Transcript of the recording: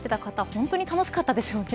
本当に楽しかったでしょうね。